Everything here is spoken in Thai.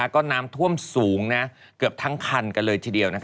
ก็น้ำท่วมสูงเกือบทั้งคันกันเลยทีเดียว